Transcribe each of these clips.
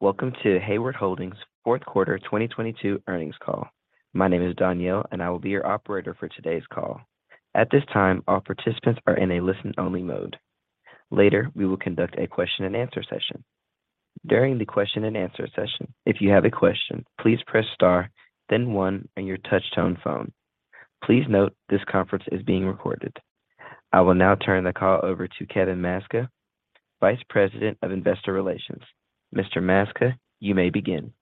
Welcome to Hayward Holdings fourth quarter 2022 earnings call. My name is Danielle. I will be your operator for today's call. At this time, all participants are in a listen-only mode. Later, we will conduct a question-and-answer session. During the question-and-answer session, if you have a question, please press star then one on your touch-tone phone. Please note this conference is being recorded. I will now turn the call over to Kevin Maczka, Vice President of Investor Relations. Mr. Maczka, you may begin.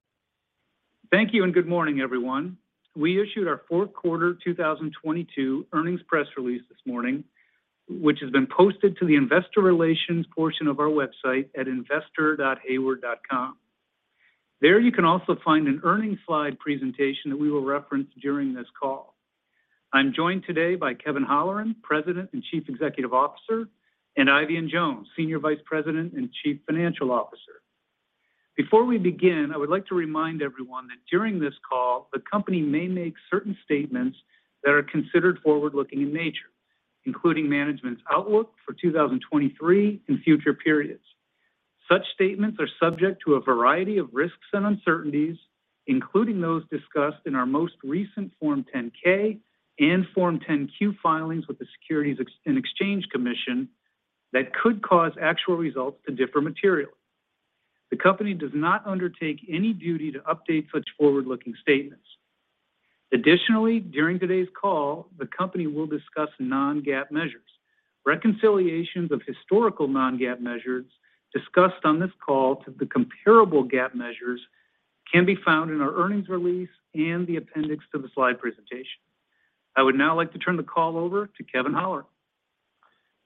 Thank you. Good morning, everyone. We issued our fourth quarter 2022 earnings press release this morning, which has been posted to the investor relations portion of our website at investor.hayward.com. There you can also find an earnings slide presentation that we will reference during this call. I'm joined today by Kevin Holleran, President and Chief Executive Officer, and Eifion Jones, Senior Vice President and Chief Financial Officer. Before we begin, I would like to remind everyone that during this call, the company may make certain statements that are considered forward-looking in nature, including management's outlook for 2023 and future periods. Such statements are subject to a variety of risks and uncertainties, including those discussed in our most recent Form 10-K and Form 10-Q filings with the Securities and Exchange Commission that could cause actual results to differ materially. The company does not undertake any duty to update such forward-looking statements. Additionally, during today's call, the company will discuss non-GAAP measures. Reconciliations of historical non-GAAP measures discussed on this call to the comparable GAAP measures can be found in our earnings release and the appendix to the slide presentation. I would now like to turn the call over to Kevin Holleran.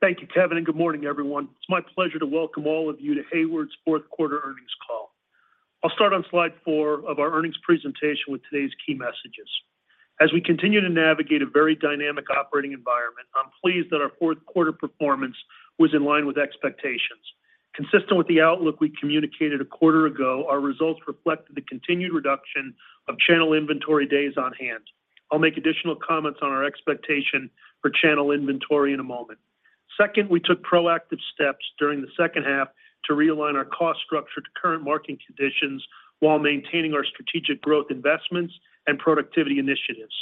Thank you, Kevin. Good morning, everyone. It's my pleasure to welcome all of you to Hayward's fourth quarter earnings call. I'll start on slide four of our earnings presentation with today's key messages. As we continue to navigate a very dynamic operating environment, I'm pleased that our fourth quarter performance was in line with expectations. Consistent with the outlook we communicated a quarter ago, our results reflected the continued reduction of channel inventory days on hand. I'll make additional comments on our expectation for channel inventory in a moment. Second, we took proactive steps during the second half to realign our cost structure to current market conditions while maintaining our strategic growth investments and productivity initiatives.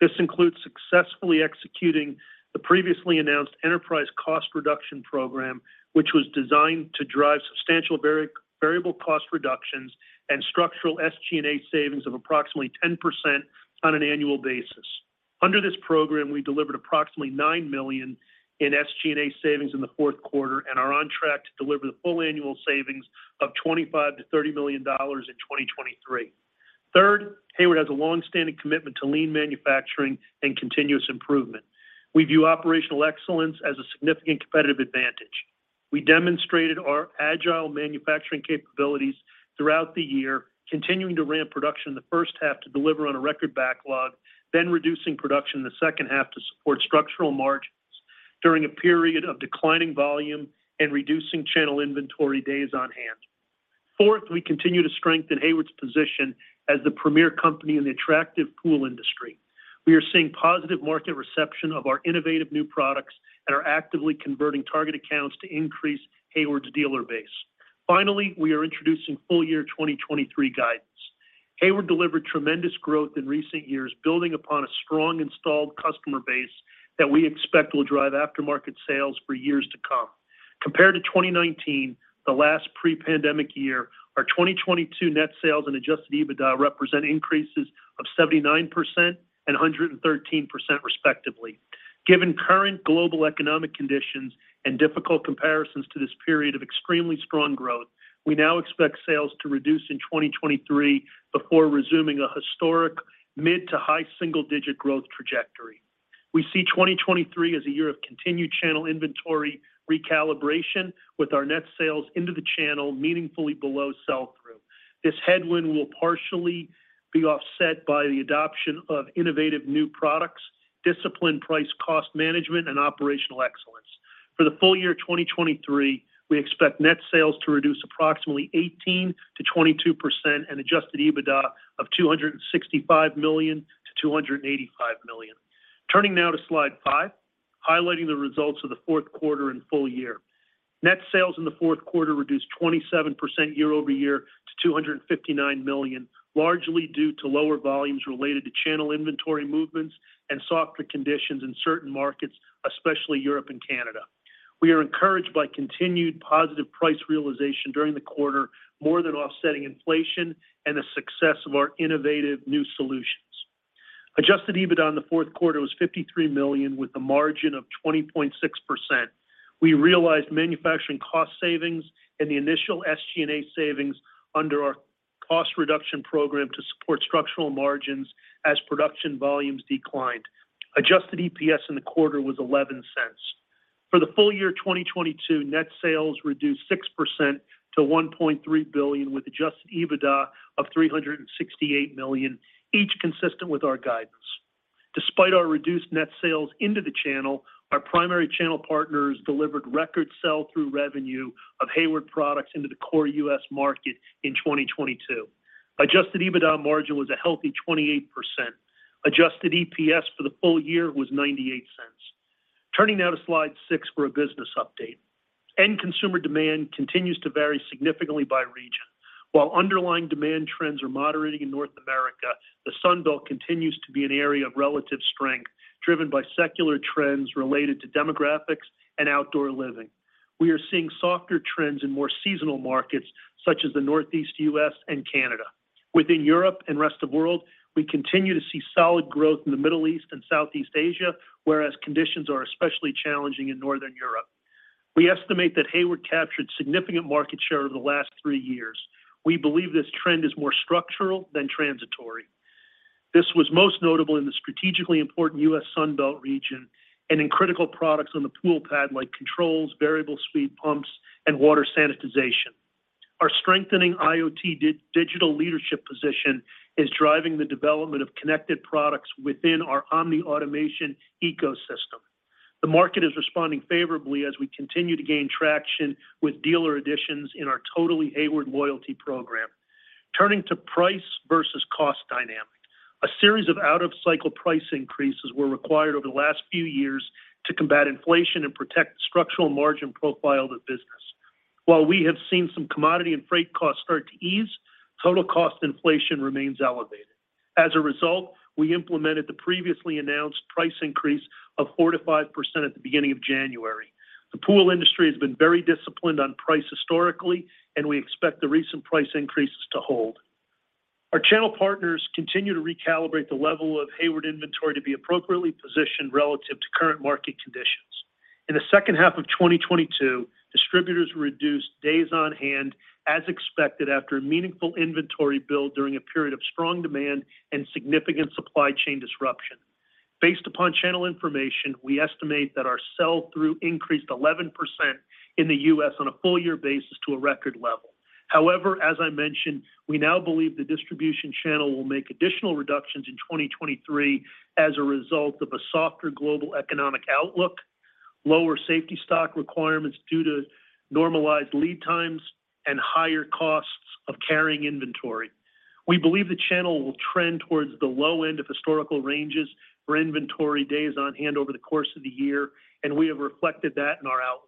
This includes successfully executing the previously announced enterprise cost reduction program, which was designed to drive substantial variable cost reductions and structural SG&A savings of approximately 10% on an annual basis. Under this program, we delivered approximately $9 million in SG&A savings in the fourth quarter and are on track to deliver the full annual savings of $25 million-$30 million in 2023. Third, Hayward has a long-standing commitment to lean manufacturing and continuous improvement. We view operational excellence as a significant competitive advantage. We demonstrated our agile manufacturing capabilities throughout the year, continuing to ramp production in the first half to deliver on a record backlog, then reducing production in the second half to support structural margins during a period of declining volume and reducing channel inventory days on hand. Fourth, we continue to strengthen Hayward's position as the premier company in the attractive pool industry. We are seeing positive market reception of our innovative new products and are actively converting target accounts to increase Hayward's dealer base. Finally, we are introducing full year 2023 guidance. Hayward delivered tremendous growth in recent years, building upon a strong installed customer base that we expect will drive aftermarket sales for years to come. Compared to 2019, the last pre-pandemic year, our 2022 net sales and Adjusted EBITDA represent increases of 79% and 113% respectively. Given current global economic conditions and difficult comparisons to this period of extremely strong growth, we now expect sales to reduce in 2023 before resuming a historic mid to high single-digit growth trajectory. We see 2023 as a year of continued channel inventory recalibration with our net sales into the channel meaningfully below sell-through. This headwind will partially be offset by the adoption of innovative new products, disciplined price cost management, and operational excellence. For the full year 2023, we expect net sales to reduce approximately 18%-22% and Adjusted EBITDA of $265 million-$285 million. Turning now to slide five, highlighting the results of the fourth quarter and full year. Net sales in the fourth quarter reduced 27% year-over-year to $259 million, largely due to lower volumes related to channel inventory movements and softer conditions in certain markets, especially Europe and Canada. We are encouraged by continued positive price realization during the quarter, more than offsetting inflation and the success of our innovative new solutions. Adjusted EBITDA in the fourth quarter was $53 million, with a margin of 20.6%. We realized manufacturing cost savings and the initial SG&A savings under our cost reduction program to support structural margins as production volumes declined. Adjusted EPS in the quarter was $0.11. For the full year 2022, net sales reduced 6% to $1.3 billion, with Adjusted EBITDA of $368 million, each consistent with our guidance. Despite our reduced net sales into the channel, our primary channel partners delivered record sell-through revenue of Hayward products into the core U.S. market in 2022. Adjusted EBITDA margin was a healthy 28%. Adjusted EPS for the full year was $0.98. Turning now to slide six for a business update. End consumer demand continues to vary significantly by region. While underlying demand trends are moderating in North America, the Sun Belt continues to be an area of relative strength, driven by secular trends related to demographics and outdoor living. We are seeing softer trends in more seasonal markets such as the Northeast U.S. and Canada. Within Europe and Rest of World, we continue to see solid growth in the Middle East and Southeast Asia, whereas conditions are especially challenging in Northern Europe. We estimate that Hayward captured significant market share over the last three years. We believe this trend is more structural than transitory. This was most notable in the strategically important U.S. Sun Belt region and in critical products on the pool pad like controls, variable speed pumps, and water sanitization. Our strengthening IoT digital leadership position is driving the development of connected products within our Omni automation ecosystem. The market is responding favorably as we continue to gain traction with dealer additions in our Totally Hayward loyalty program. Turning to price versus cost dynamic. A series of out-of-cycle price increases were required over the last few years to combat inflation and protect the structural margin profile of the business. While we have seen some commodity and freight costs start to ease, total cost inflation remains elevated. As a result, we implemented the previously announced price increase of 4%-5% at the beginning of January. The pool industry has been very disciplined on price historically. We expect the recent price increases to hold. Our channel partners continue to recalibrate the level of Hayward inventory to be appropriately positioned relative to current market conditions. In the second half of 2022, distributors reduced days on hand as expected after a meaningful inventory build during a period of strong demand and significant supply chain disruption. Based upon channel information, we estimate that our sell-through increased 11% in the U.S. on a full year basis to a record level. However, as I mentioned, we now believe the distribution channel will make additional reductions in 2023 as a result of a softer global economic outlook, lower safety stock requirements due to normalized lead times, and higher costs of carrying inventory. We believe the channel will trend towards the low end of historical ranges for inventory days on hand over the course of the year, and we have reflected that in our outlook.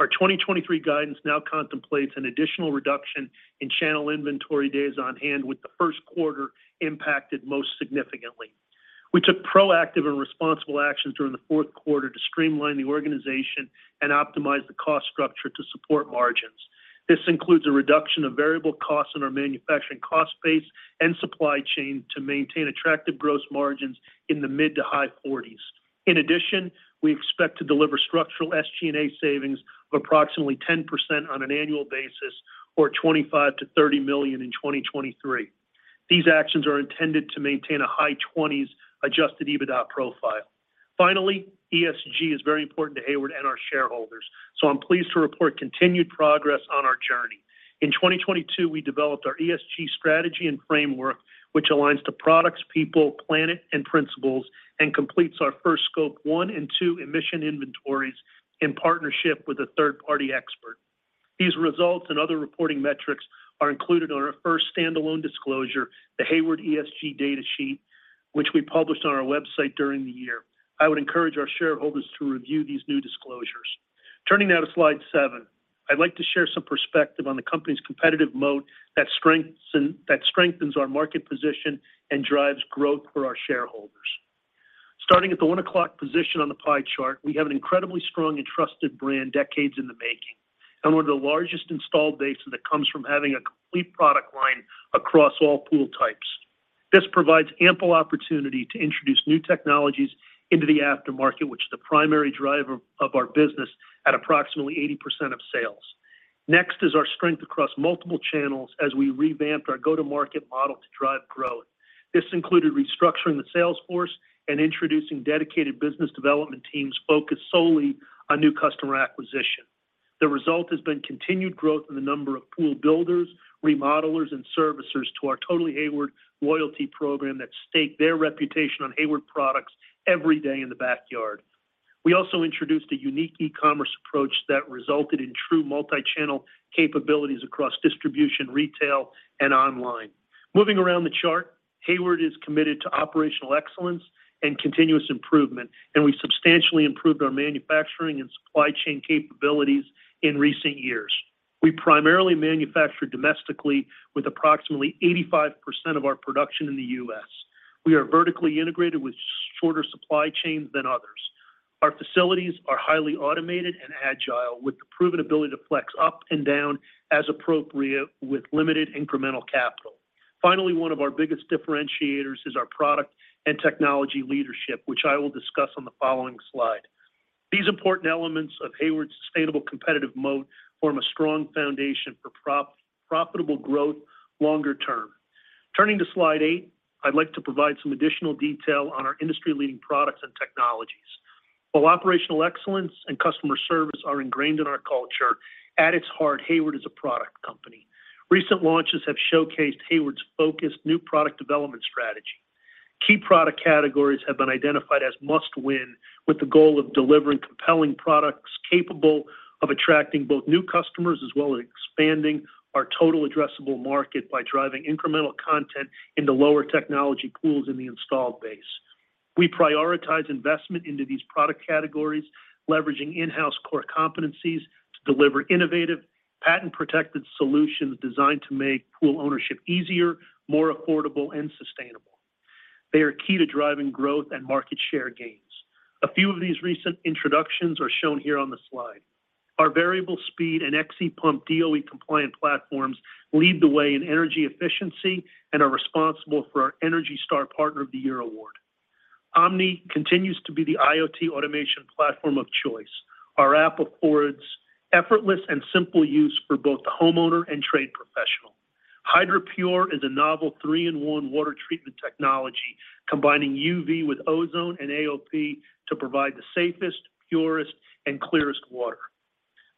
Our 2023 guidance now contemplates an additional reduction in channel inventory days on hand with the first quarter impacted most significantly. We took proactive and responsible actions during the fourth quarter to streamline the organization and optimize the cost structure to support margins. This includes a reduction of variable costs in our manufacturing cost base and supply chain to maintain attractive gross margins in the mid to high 40s. We expect to deliver structural SG&A savings of approximately 10% on an annual basis, or $25 million-$30 million in 2023. These actions are intended to maintain a high twenties adjusted EBITDA profile. ESG is very important to Hayward and our shareholders. I'm pleased to report continued progress on our journey. In 2022, we developed our ESG strategy and framework, which aligns to products, people, planet, and principles and completes our first Scope 1 and 2 emission inventories in partnership with a third-party expert. These results and other reporting metrics are included on our first standalone disclosure, the Hayward ESG Data Sheet, which we published on our website during the year. I would encourage our shareholders to review these new disclosures. Turning now to slide seven. I'd like to share some perspective on the company's competitive moat that strengthens our market position and drives growth for our shareholders. Starting at the one o'clock position on the pie chart, we have an incredibly strong and trusted brand decades in the making, and one of the largest installed bases that comes from having a complete product line across all pool types. This provides ample opportunity to introduce new technologies into the aftermarket, which is the primary driver of our business at approximately 80% of sales. Next is our strength across multiple channels as we revamped our go-to-market remodel to drive growth. This included restructuring the sales force and introducing dedicated business development teams focused solely on new customer acquisition. The result has been continued growth in the number of pool builders, remodelers, and servicers to our Totally Hayward loyalty program that stake their reputation on Hayward products every day in the backyard. We also introduced a unique e-commerce approach that resulted in true multi-channel capabilities across distribution, retail, and online. Moving around the chart, Hayward is committed to operational excellence and continuous improvement, and we've substantially improved our manufacturing and supply chain capabilities in recent years. We primarily manufacture domestically with approximately 85% of our production in the U.S. We are vertically integrated with shorter supply chains than others. Our facilities are highly automated and agile with the proven ability to flex up and down as appropriate with limited incremental capital. One of our biggest differentiators is our product and technology leadership, which I will discuss on the following slide. These important elements of Hayward's sustainable competitive moat form a strong foundation for profitable growth longer term. Turning to slide 8, I'd like to provide some additional detail on our industry-leading products and technologies. While operational excellence and customer service are ingrained in our culture, at its heart, Hayward is a product company. Recent launches have showcased Hayward's focused new product development strategy. Key product categories have been identified as must-win with the goal of delivering compelling products capable of attracting both new customers as well as expanding our total addressable market by driving incremental content into lower technology pools in the installed base. We prioritize investment into these product categories leveraging in-house core competencies to deliver innovative patent-protected solutions designed to make pool ownership easier, more affordable, and sustainable. They are key to driving growth and market share gains. A few of these recent introductions are shown here on the slide. Our variable speed and XE pump DOE compliant platforms lead the way in energy efficiency and are responsible for our ENERGY STAR Partner of the Year award. Omni continues to be the IoT automation platform of choice. Our app affords effortless and simple use for both the homeowner and trade professional. HydraPure is a novel three-in-one water treatment technology, combining UV with ozone and AOP to provide the safest, purest, and clearest water.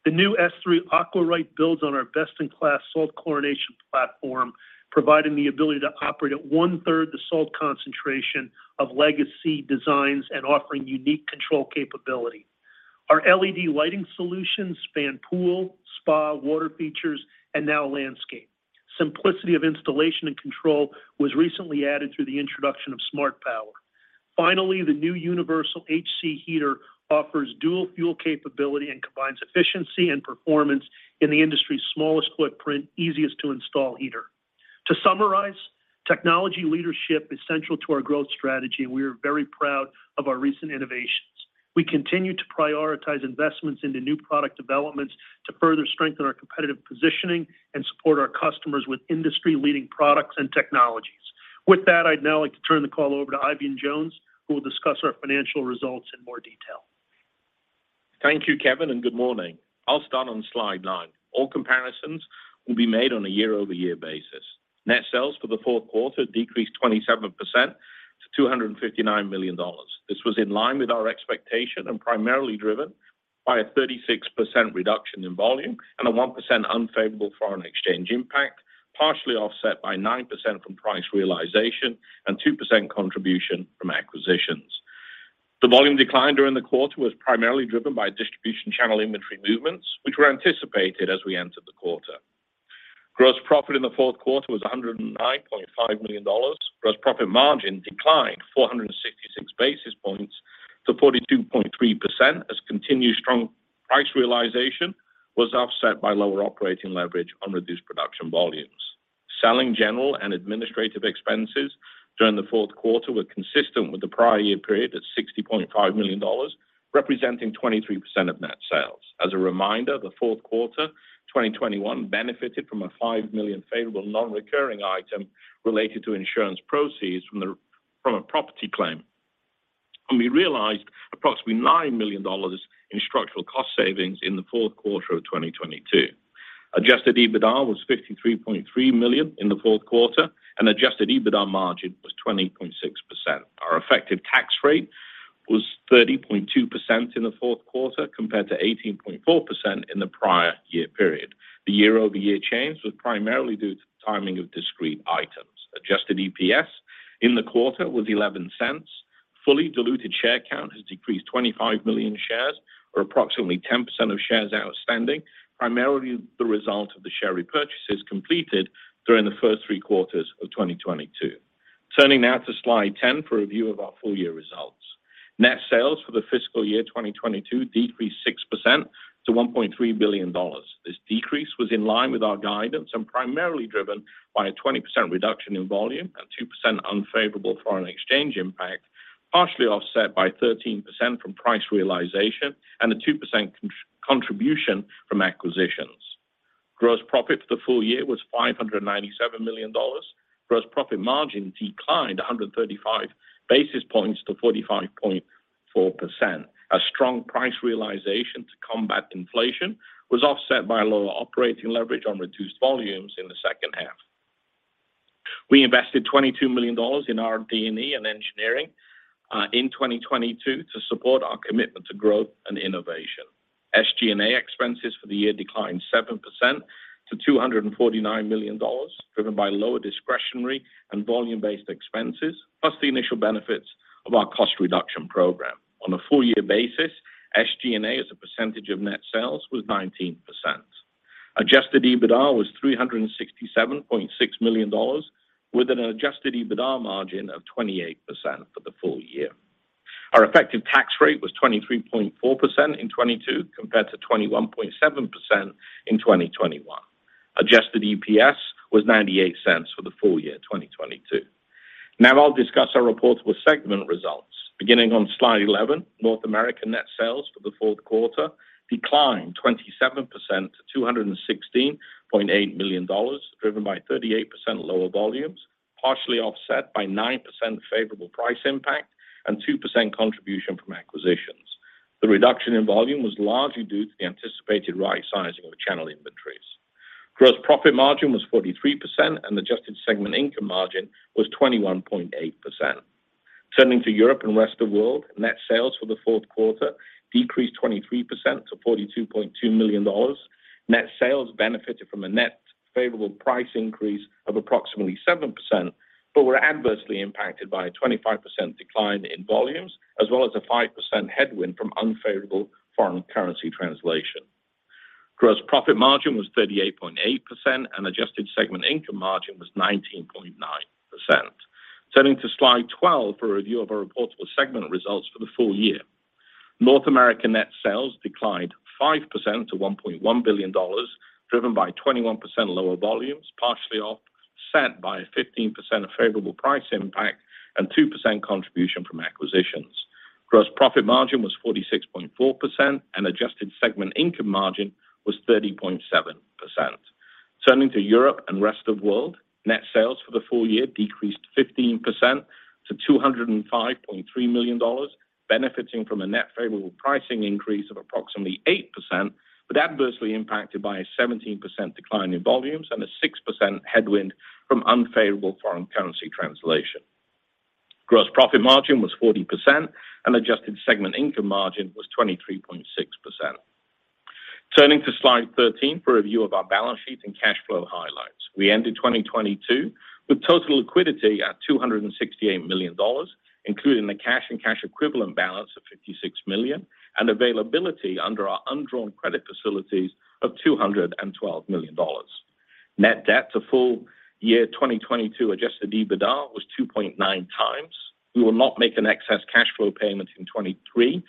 The new AquaRite S3 builds on our best-in-class salt chlorination platform, providing the ability to operate at one-third the salt concentration of legacy designs and offering unique control capability. Our LED lighting solutions span pool, spa, water features, and now landscape. Simplicity of installation and control was recently added through the introduction of SmartPower. Finally, the new Universal H-Series heater offers dual fuel capability and combines efficiency and performance in the industry's smallest footprint, easiest to install heater. To summarize, technology leadership is central to our growth strategy, and we are very proud of our recent innovations. We continue to prioritize investments into new product developments to further strengthen our competitive positioning and support our customers with industry-leading products and technologies. With that, I'd now like to turn the call over to Eifion Jones, who will discuss our financial results in more detail. Thank you, Kevin. Good morning. I'll start on slide nine. All comparisons will be made on a year-over-year basis. Net sales for the fourth quarter decreased 27% to $259 million. This was in line with our expectation and primarily driven by a 36% reduction in volume and a 1% unfavorable foreign exchange impact, partially offset by 9% from price realization and 2% contribution from acquisitions. The volume decline during the quarter was primarily driven by distribution channel inventory movements, which were anticipated as we entered the quarter. Gross profit in the fourth quarter was $109.5 million. Gross profit margin declined 466 basis points to 42.3% as continued strong price realization was offset by lower operating leverage on reduced production volumes. Selling general and administrative expenses during the fourth quarter were consistent with the prior year period at $60.5 million, representing 23% of net sales. As a reminder, the fourth quarter 2021 benefited from a $5 million favorable non-recurring item related to insurance proceeds from a property claim. We realized approximately $9 million in structural cost savings in the fourth quarter of 2022. Adjusted EBITDA was $53.3 million in the fourth quarter, and Adjusted EBITDA margin was 20.6%. Our effective tax rate was 30.2% in the fourth quarter, compared to 18.4% in the prior year period. The year-over-year change was primarily due to the timing of discrete items. Adjusted EPS in the quarter was $0.11. Fully diluted share count has decreased 25 million shares, or approximately 10% of shares outstanding, primarily the result of the share repurchases completed during the first three quarters of 2022. Turning now to slide 10 for a review of our full-year results. Net sales for the fiscal year 2022 decreased 6% to $1.3 billion. This decrease was in line with our guidance and primarily driven by a 20% reduction in volume and 2% unfavorable foreign exchange impact, partially offset by 13% from price realization and a 2% contribution from acquisitions. Gross profit for the full year was $597 million. Gross profit margin declined 135 basis points to 45.4%. A strong price realization to combat inflation was offset by lower operating leverage on reduced volumes in the second half. We invested $22 million in R&D and engineering in 2022 to support our commitment to growth and innovation. SG&A expenses for the year declined 7% to $249 million, driven by lower discretionary and volume-based expenses, plus the initial benefits of our cost reduction program. On a full-year basis, SG&A as a percentage of net sales was 19%. Adjusted EBITDA was $367.6 million, with an Adjusted EBITDA margin of 28% for the full year. Our effective tax rate was 23.4% in 2022 compared to 21.7% in 2021. Adjusted EPS was $0.98 for the full year 2022. Now I'll discuss our Reportable segment results. Beginning on slide 11. North America net sales for the fourth quarter declined 27% to $216.8 million, driven by 38% lower volumes, partially offset by 9% favorable price impact and 2% contribution from acquisitions. The reduction in volume was largely due to the anticipated rightsizing of channel inventories. Gross profit margin was 43%, and adjusted segment income margin was 21.8%. Turning to Europe and Rest of World. Net sales for the fourth quarter decreased 23% to $42.2 million. Net sales benefited from a net favorable price increase of approximately 7% but were adversely impacted by a 25% decline in volumes as well as a 5% headwind from unfavorable foreign currency translation. Gross profit margin was 38.8% and adjusted segment income margin was 19.9%. Turning to slide 12 for a review of our Reportable segment results for the full year. North America net sales declined 5% to $1.1 billion, driven by 21% lower volumes, partially offset by a 15% favorable price impact and 2% contribution from acquisitions. Gross profit margin was 46.4% and adjusted segment income margin was 30.7%. Turning to Europe and Rest of World. Net sales for the full year decreased 15% to $205.3 million, benefiting from a net favorable pricing increase of approximately 8%, but adversely impacted by a 17% decline in volumes and a 6% headwind from unfavorable foreign currency translation. Gross profit margin was 40% and adjusted segment income margin was 23.6%. Turning to slide 13 for review of our balance sheet and cash flow highlights. We ended 2022 with total liquidity at $268 million, including the cash and cash equivalent balance of $56 million and availability under our undrawn credit facilities of $212 million. Net debt to full year 2022 adjusted EBITDA was 2.9 times. We will not make an excess cash flow payment in 2023,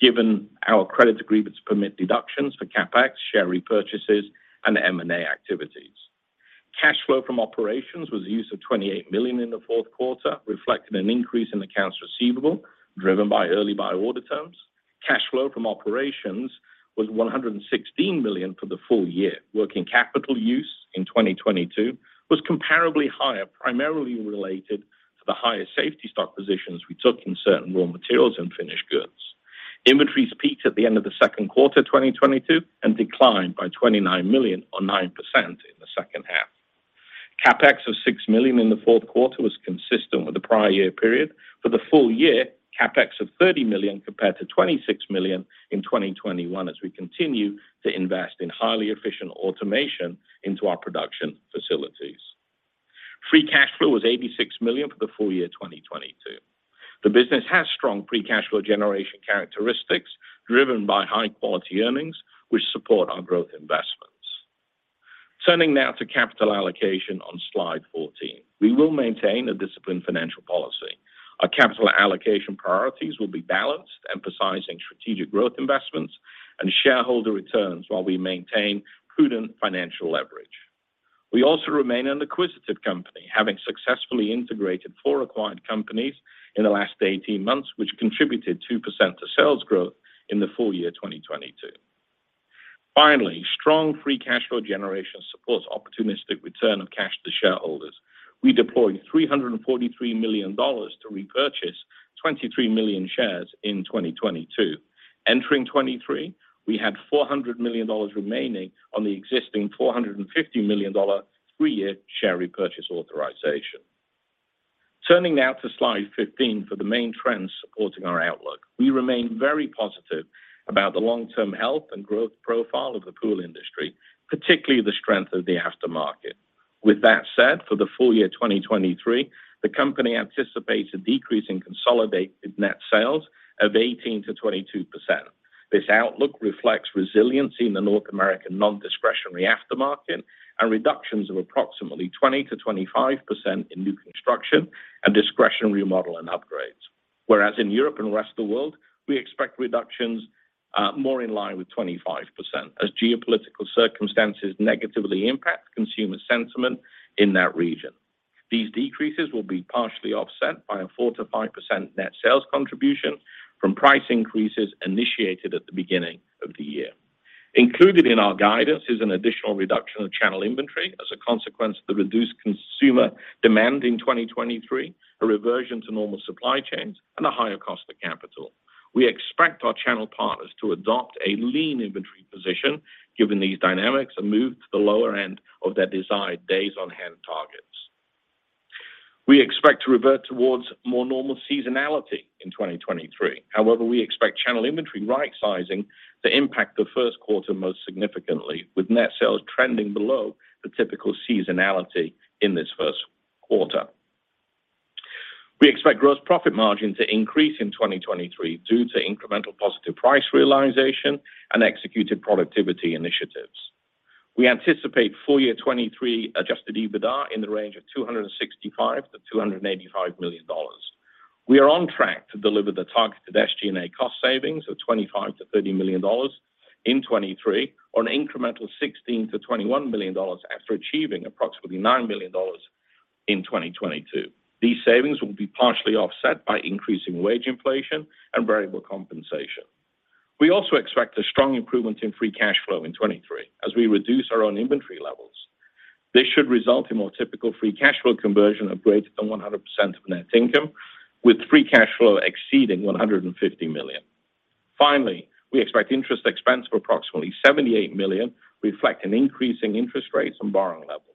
given our credit agreements permit deductions for CapEx, share repurchases and M&A activities. Cash flow from operations was the use of $28 million in the fourth quarter, reflecting an increase in accounts receivable driven by early buy order terms. Cash flow from operations was $116 million for the full year. Working capital use in 2022 was comparably higher, primarily related to the higher safety stock positions we took in certain raw materials and finished goods. Inventories peaked at the end of the second quarter 2022 and declined by $29 million or 9% in the second half. CapEx of $6 million in the fourth quarter was consistent with the prior year period. For the full year, CapEx of $30 million compared to $26 million in 2021 as we continue to invest in highly efficient automation into our production facilities. Free cash flow was $86 million for the full year 2022. The business has strong free cash flow generation characteristics driven by high quality earnings, which support our growth investments. Turning now to capital allocation on slide 14. We will maintain a disciplined financial policy. Our capital allocation priorities will be balanced, emphasizing strategic growth investments and shareholder returns while we maintain prudent financial leverage. We also remain an acquisitive company, having successfully integrated four acquired companies in the last 18 months, which contributed 2% to sales growth in the full year 2022. Finally, strong free cash flow generation supports opportunistic return of cash to shareholders. We deployed $343 million to repurchase 23 million shares in 2022. Entering 2023, we had $400 million remaining on the existing $450 million three-year share repurchase authorization. Turning now to slide 15 for the main trends supporting our outlook. We remain very positive about the long-term health and growth profile of the pool industry, particularly the strength of the aftermarket. With that said, for the full year 2023, the company anticipates a decrease in consolidated net sales of 18%-22%. This outlook reflects resiliency in the North American non-discretionary aftermarket and reductions of approximately 20%-25% in new construction and discretionary model and upgrades. Whereas in Europe and Rest of World, we expect reductions, more in line with 25% as geopolitical circumstances negatively impact consumer sentiment in that region. These decreases will be partially offset by a 4%-5% net sales contribution from price increases initiated at the beginning of the year. Included in our guidance is an additional reduction of channel inventory as a consequence of the reduced consumer demand in 2023, a reversion to normal supply chains, and a higher cost of capital. We expect our channel partners to adopt a lean inventory position given these dynamics and move to the lower end of their desired days on hand targets. We expect to revert towards more normal seasonality in 2023. We expect channel inventory right sizing to impact the first quarter most significantly, with net sales trending below the typical seasonality in this first quarter. We expect gross profit margin to increase in 2023 due to incremental positive price realization and executed productivity initiatives. We anticipate full year 2023 Adjusted EBITDA in the range of $265 million-$285 million. We are on track to deliver the targeted SG&A cost savings of $25 million-$30 million in 2023 on an incremental $16 million-$21 million after achieving approximately $9 million in 2022. These savings will be partially offset by increasing wage inflation and variable compensation. We also expect a strong improvement in free cash flow in 2023 as we reduce our own inventory levels. This should result in more typical free cash flow conversion of greater than 100% of net income, with free cash flow exceeding $150 million. Finally, we expect interest expense of approximately $78 million, reflect an increase in interest rates and borrowing levels.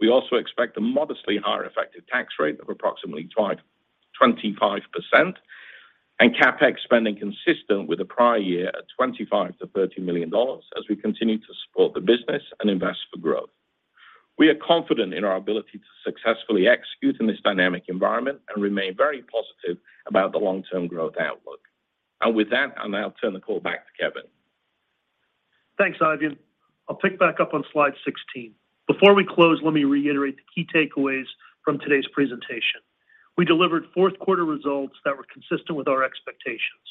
We also expect a modestly higher effective tax rate of approximately 25% and CapEx spending consistent with the prior year at $25 million-$30 million as we continue to support the business and invest for growth. We are confident in our ability to successfully execute in this dynamic environment and remain very positive about the long-term growth outlook. With that, I'll now turn the call back to Kevin. Thanks, Eifion. I'll pick back up on slide 16. Before we close, let me reiterate the key takeaways from today's presentation. We delivered fourth quarter results that were consistent with our expectations.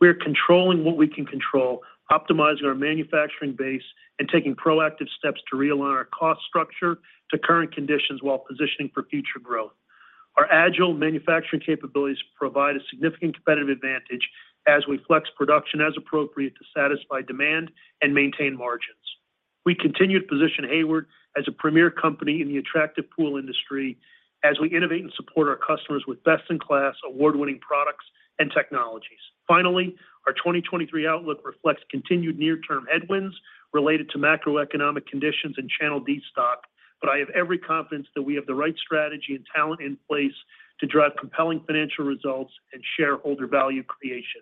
We are controlling what we can control, optimizing our manufacturing base, and taking proactive steps to realign our cost structure to current conditions while positioning for future growth. Our agile manufacturing capabilities provide a significant competitive advantage as we flex production as appropriate to satisfy demand and maintain margins. We continue to position Hayward as a premier company in the attractive pool industry as we innovate and support our customers with best-in-class, award-winning products and technologies. Finally, our 2023 outlook reflects continued near-term headwinds related to macroeconomic conditions and channel destock, but I have every confidence that we have the right strategy and talent in place to drive compelling financial results and shareholder value creation.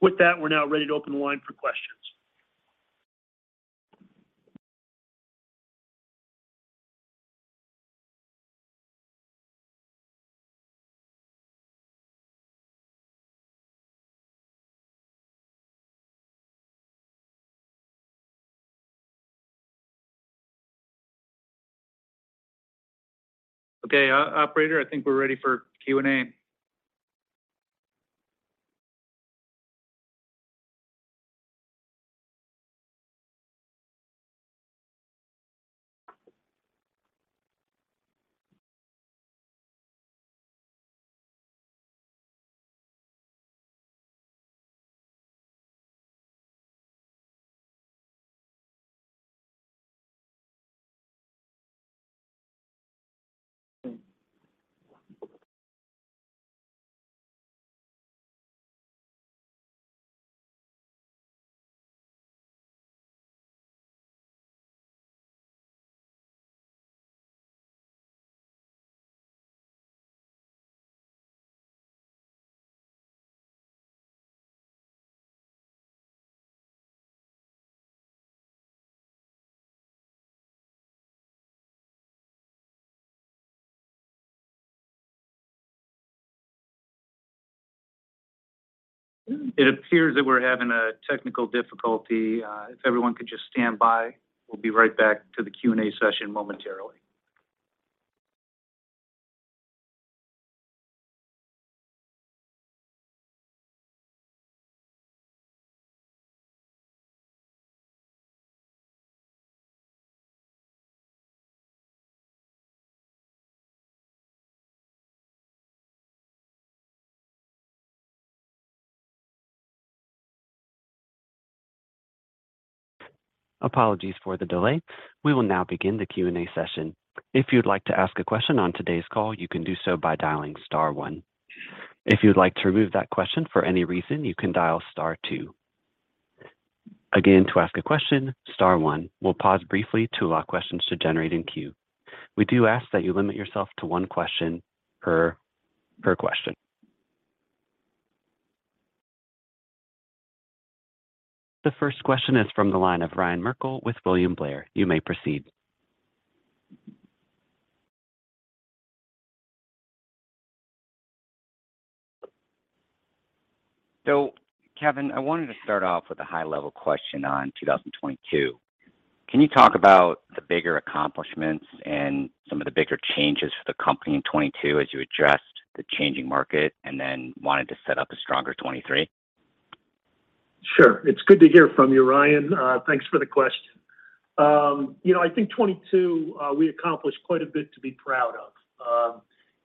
With that, we're now ready to open the line for questions. Okay, operator, I think we're ready for Q&A. It appears that we're having a technical difficulty. If everyone could just stand by, we'll be right back to the Q&A session momentarily. Apologies for the delay. We will now begin the Q&A session. If you'd like to ask a question on today's call, you can do so by dialing star one. If you'd like to remove that question for any reason, you can dial star two. Again, to ask a question, star one. We'll pause briefly to allow questions to generate in queue. We do ask that you limit yourself to one question per question. The first question is from the line of Ryan Merkel with William Blair. You may proceed. Kevin, I wanted to start off with a high-level question on 2022. Can you talk about the bigger accomplishments and some of the bigger changes for the company in 2022 as you addressed the changing market and then wanted to set up a stronger 2023? Sure. It's good to hear from you, Ryan. Thanks for the question. You know, I think 2022, we accomplished quite a bit to be proud of.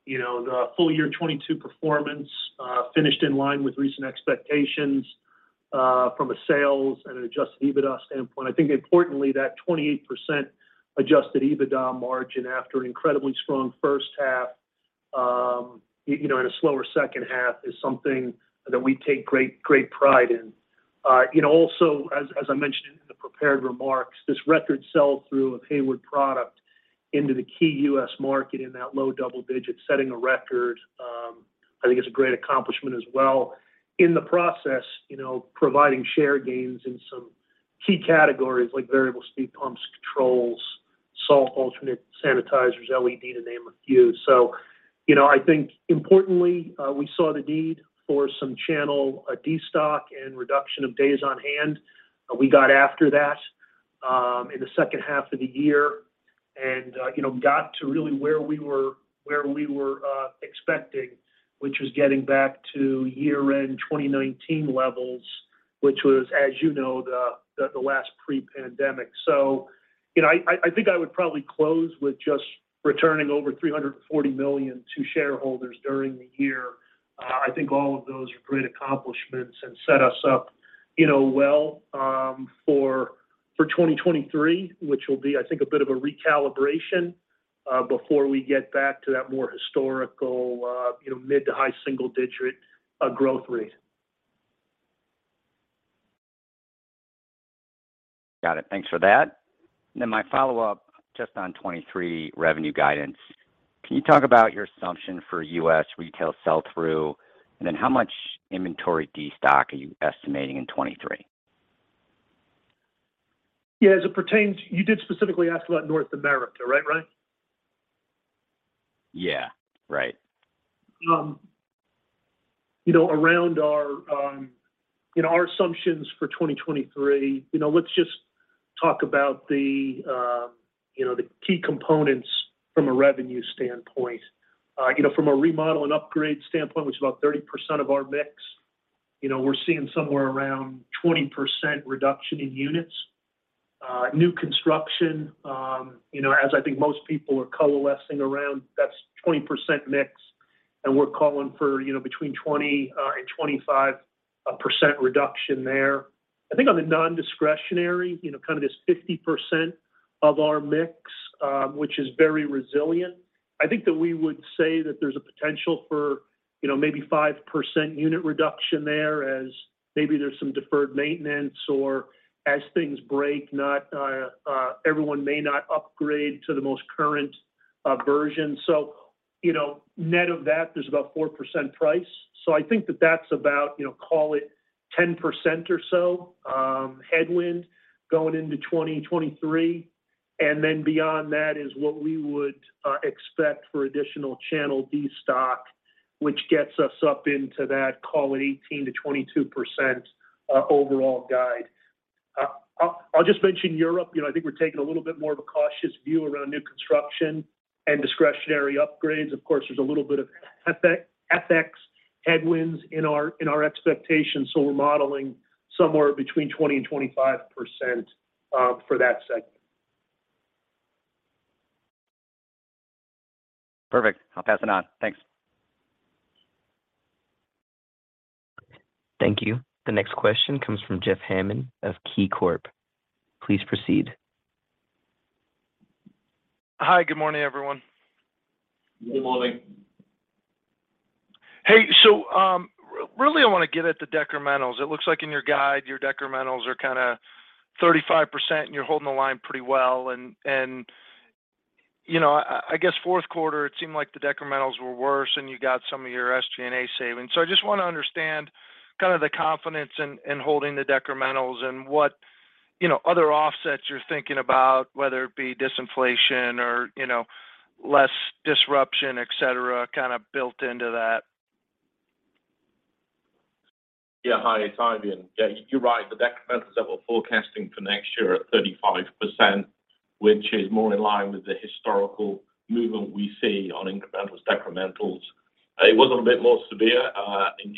You know, the full year 2022 performance finished in line with recent expectations from a sales and an Adjusted EBITDA standpoint. I think importantly, that 28% Adjusted EBITDA margin after an incredibly strong first half, you know, and a slower second half is something that we take great pride in. You know, also, as I mentioned in the prepared remarks, this record sell-through of Hayward product into the key U.S. market in that low double digit, setting a record, I think is a great accomplishment as well. In the process, you know, providing share gains in some key categories like variable speed pumps, controls, salt alternate sanitizers, LED, to name a few. You know, I think importantly, we saw the need for some channel destock and reduction of days on hand. We got after that in the second half of the year and, you know, got to really where we were expecting, which was getting back to year-end 2019 levels, which was, as you know, the last pre-pandemic. You know, I think I would probably close with just returning over $340 million to shareholders during the year. I think all of those are great accomplishments and set us up, you know, well, for 2023, which will be, I think, a bit of a recalibration, before we get back to that more historical, you know, mid to high-single digit, growth rate. Got it. Thanks for that. My follow-up just on 2023 revenue guidance. Can you talk about your assumption for U.S. retail sell-through, and then how much inventory destock are you estimating in 2023? Yeah, as it pertains, you did specifically ask about North America, right, Ryan? Yeah. Right. Around our assumptions for 2023, let's just talk about the key components from a revenue standpoint. From a remodel and upgrade standpoint, which is about 30% of our mix, we're seeing somewhere around 20% reduction in units. New construction, as I think most people are coalescing around, that's 20% mix, and we're calling for between 20% and 25% reduction there. I think on the nondiscretionary, you know, kind of this 50% of our mix, which is very resilient, I think that we would say that there's a potential for, you know, maybe 5% unit reduction there as maybe there's some deferred maintenance or as things break, not everyone may not upgrade to the most current version. So, you know, net of that, there's about 4% price. So I think that that's about, you know, call it 10% or so, headwind going into 2023. Then beyond that is what we would expect for additional channel destock, which gets us up into that, call it 18%-22%, overall guide. I'll just mention Europe. You know, I think we're taking a little bit more of a cautious view around new construction and discretionary upgrades. Of course, there's a little bit of FX headwinds in our expectations, so we're modeling somewhere between 20% and 25% for that segment. Perfect. I'll pass it on. Thanks. Thank you. The next question comes from Jeff Hammond of KeyBanc. Please proceed. Hi. Good morning, everyone. Good morning. Hey, so, really, I wanna get at the decrementals. It looks like in your guide, your decrementals are kinda 35%, and you're holding the line pretty well. You know, I guess fourth quarter it seemed like the decrementals were worse, and you got some of your SG&A savings. I just wanna understand kind of the confidence in holding the decrementals and what, you know, other offsets you're thinking about, whether it be disinflation or, you know, less disruption, et cetera, kind of built into that. Hi, it's Eifion. You're right. The decrementals that we're forecasting for next year are at 35%, which is more in line with the historical movement we see on incrementals, decrementals. It was a bit more severe in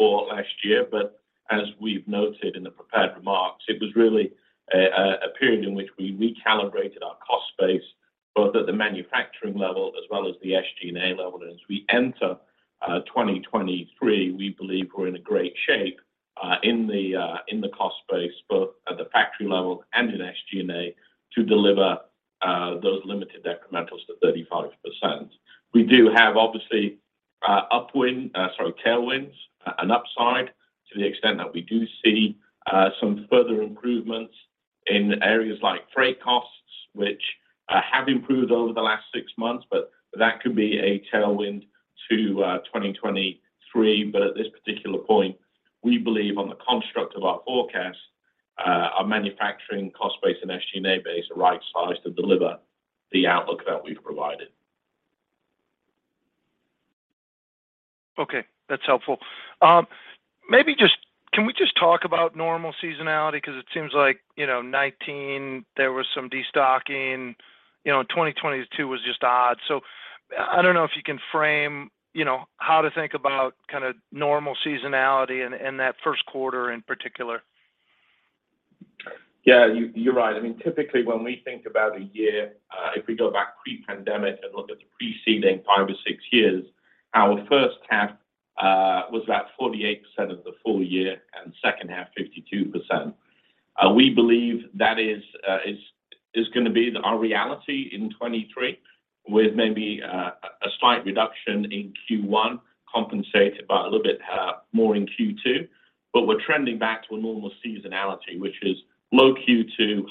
Q4 last year, but as we've noted in the prepared remarks, it was really a period in which we recalibrated our cost base, both at the manufacturing level as well as the SG&A level. As we enter 2023, we believe we're in a great shape in the cost base, both at the factory level and in SG&A to deliver those limited decrementals to 35%. We do have obviously, sorry, tailwinds, an upside to the extent that we do see some further improvements in areas like freight costs, which have improved over the last six months, but that could be a tailwind to 2023. At this particular point, we believe on the construct of our forecast, our manufacturing cost base and SG&A base are right sized to deliver the outlook that we've provided. Okay, that's helpful. Can we just talk about normal seasonality? 'Cause it seems like, you know, 2019 there was some destocking. You know, in 2022 was just odd. I don't know if you can frame, you know, how to think about kinda normal seasonality in that first quarter in particular? Yeah, you're right. I mean, typically, when we think about a year, if we go back pre-pandemic and look at the preceding five or six years, our first half was about 48% of the full year, and second half 52%. We believe that is going to be our reality in 2023, with maybe a slight reduction in Q1 compensated by a little bit more in Q2. We're trending back to a normal seasonality, which is low Q2,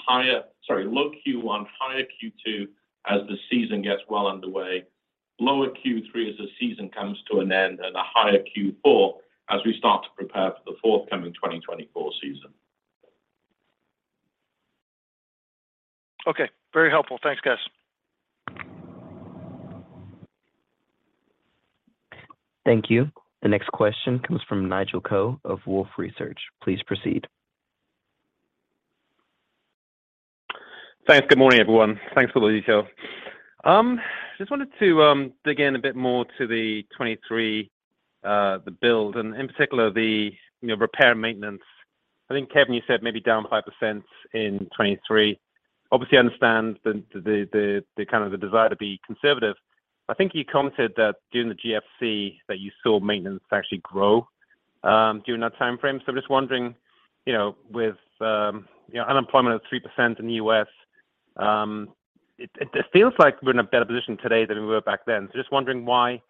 Sorry, low Q1, higher Q2 as the season gets well underway, lower Q3 as the season comes to an end, and a higher Q4 as we start to prepare for the forthcoming 2024 season. Okay. Very helpful. Thanks, guys. Thank you. The next question comes from Nigel Coe of Wolfe Research. Please proceed. Thanks. Good morning, everyone. Thanks for the detail. Just wanted to dig in a bit more to the 2023, the build and in particular the repair and maintenance. I think, Kevin, you said maybe down 5% in 2023. Obviously, I understand the kind of the desire to be conservative. I think you commented that during the GFC that you saw maintenance actually grow during that timeframe. I'm just wondering, with unemployment at 3% in the U.S., it feels like we're in a better position today than we were back then. Just wondering why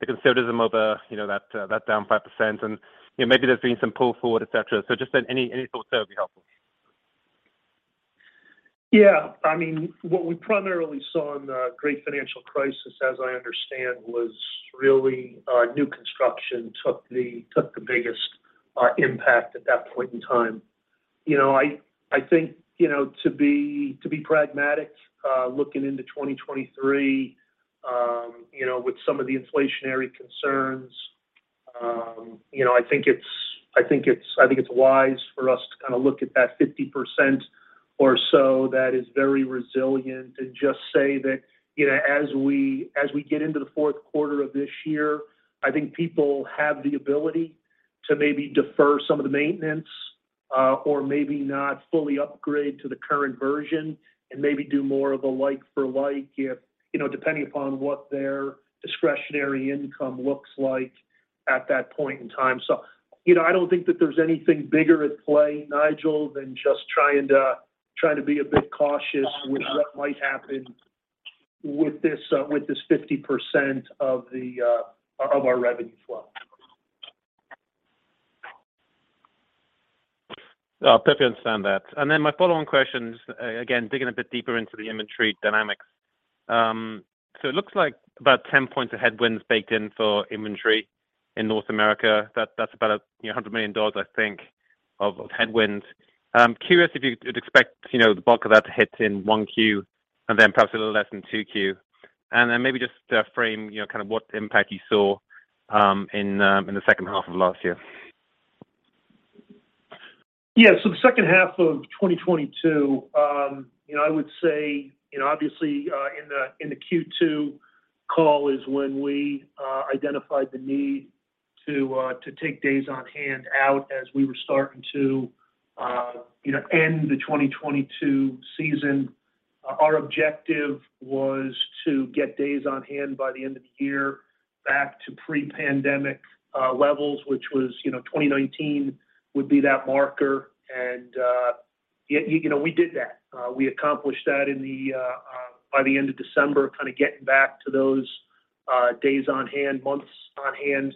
the conservatism over that down 5% and maybe there's been some pull forward, et cetera? Just any thoughts there would be helpful. Yeah. I mean, what we primarily saw in the great financial crisis, as I understand, was really, new construction took the biggest impact at that point in time. You know, I think, you know, to be, to be pragmatic, looking into 2023, you know, with some of the inflationary concerns, you know, I think it's wise for us to kinda look at that 50% or so that is very resilient and just say that, you know, as we get into the fourth quarter of this year, I think people have the ability to maybe defer some of the maintenance, or maybe not fully upgrade to the current version and maybe do more of a like for like if, you know, depending upon what their discretionary income looks like at that point in time. You know, I don't think that there's anything bigger at play, Nigel, than just trying to be a bit cautious with what might happen with this, with this 50% of the, of our revenue flow. I perfectly understand that. My follow-on questions, again, digging a bit deeper into the inventory dynamics. It looks like about 10 points of headwinds baked in for inventory in North America. That's about, you know, $100 million, I think, of headwinds. I'm curious if you'd expect, you know, the bulk of that to hit in Q1 and then perhaps a little less in Q2. Maybe just to frame, you know, kind of what impact you saw in the second half of last year. Yeah. The second half of 2022, you know, I would say, you know, obviously, in the Q2 call is when we identified the need to take days on hand out as we were starting to, you know, end the 2022 season. Our objective was to get days on hand by the end of the year back to pre-pandemic levels, which was, you know, 2019 would be that marker. You know, we did that. We accomplished that by the end of December, kinda getting back to those days on hand, months on hand,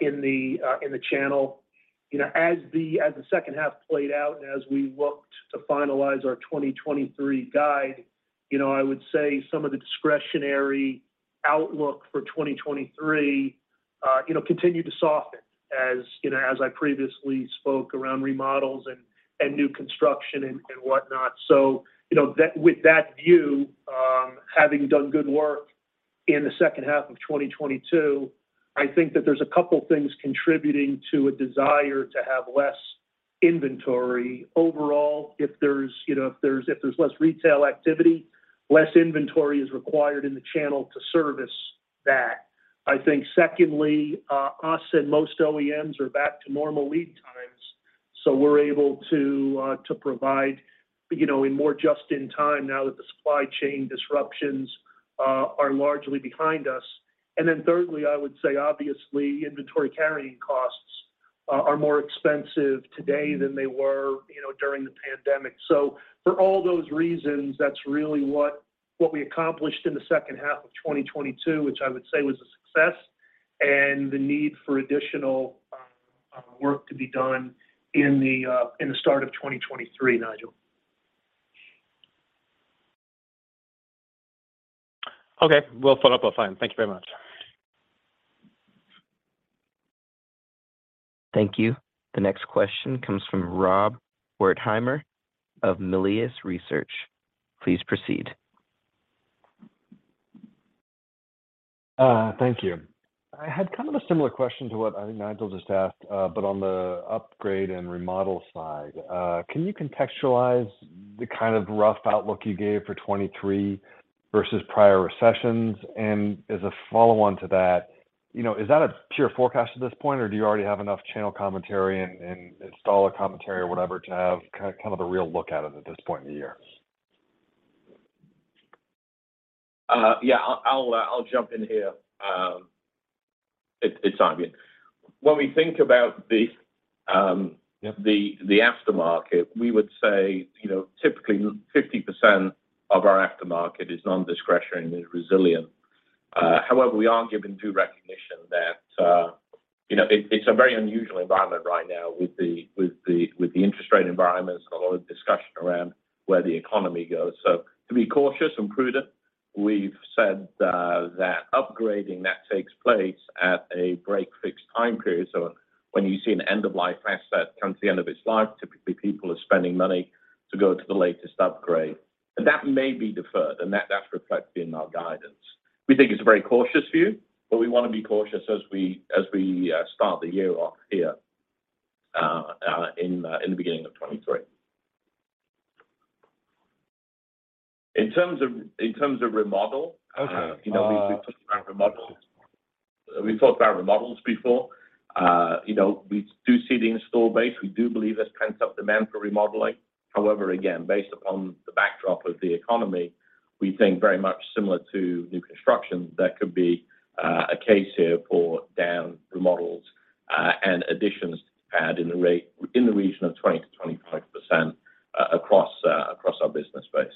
in the channel. You know, as the second half played out and as we looked to finalize our 2023 guide, you know, I would say some of the discretionary outlook for 2023, you know, continued to soften as, you know, as I previously spoke around remodels and new construction and whatnot. You know, with that view, having done good work in the second half of 2022, I think that there's a couple things contributing to a desire to have less inventory overall. If there's, you know, less retail activity, less inventory is required in the channel to service that. I think secondly, us and most OEMs are back to normal lead times, so we're able to provide, you know, in more just in time now that the supply chain disruptions are largely behind us. Thirdly, I would say obviously inventory carrying costs are more expensive today than they were, you know, during the pandemic. For all those reasons, that's really what we accomplished in the second half of 2022, which I would say was a success, and the need for additional work to be done in the start of 2023, Nigel. Okay. We'll follow-up offline. Thank you very much. Thank you. The next question comes from Rob Wertheimer of Melius Research. Please proceed. Thank you. I had kind of a similar question to what I think Nigel just asked, but on the upgrade and remodel side. Can you contextualize the kind of rough outlook you gave for 2023 versus prior recessions? As a follow-on to that, you know, is that a pure forecast at this point, or do you already have enough channel commentary and installer commentary or whatever to have kind of a real look at it at this point in the year? Yeah. I'll jump in here. It's Eifion. When we think about the aftermarket, we would say, you know, typically 50% of our aftermarket is nondiscretion and is resilient. However, we are giving due recognition that, you know, it's a very unusual environment right now with the, with the, with the interest rate environments and a lot of discussion around where the economy goes. To be cautious and prudent, we've said that upgrading that takes place at a break fixed time period. When you see an end of life asset come to the end of its life, typically people are spending money to go to the latest upgrade. That may be deferred, and that's reflected in our guidance. We think it's a very cautious view, but we wanna be cautious as we start the year off here, in the beginning of 2023. In terms of- Okay. ...you know, we talked about remodels. We've talked about remodels before. You know, we do see the install base. We do believe there's pent-up demand for remodeling. However, again, based upon the backdrop of the economy, we think very much similar to new construction, there could be a case here for down remodels and additions to add in the region of 20%-25% across our business base.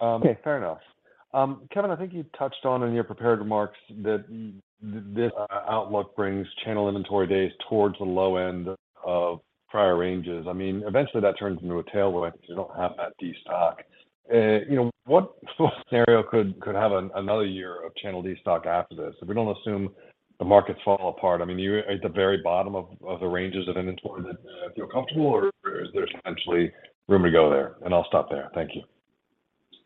Okay, fair enough. Kevin, I think you touched on in your prepared remarks that this outlook brings channel inventory days towards the low end of prior ranges. I mean, eventually that turns into a tailwind because you don't have that destock. You know, what sort of scenario could have another year of channel destock after this? If we don't assume the markets fall apart, I mean, you are at the very bottom of the ranges of inventory that feel comfortable or is there potentially room to go there? I'll stop there. Thank you.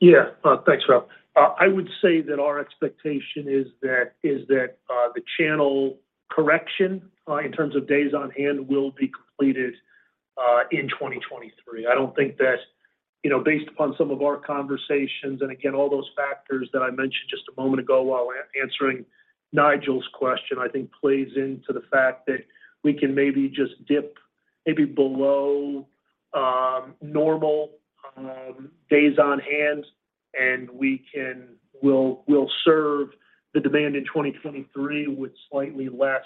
Yeah. thanks, Rob. I would say that our expectation is that the channel correction, in terms of days on hand will be completed, in 2023. I don't think that, you know, based upon some of our conversations and again, all those factors that I mentioned just a moment ago while answering Nigel's question, I think plays into the fact that we can maybe just dip maybe below, normal, days on hand, and we'll serve the demand in 2023 with slightly less,